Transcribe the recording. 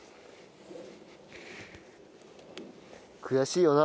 悔しい。